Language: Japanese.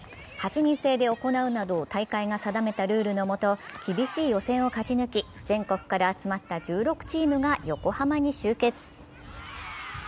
８人制で行うなど大会が定めた厳しいルールのもと厳しい予選を勝ち抜き、全国から集まった１６チームが横浜に集結。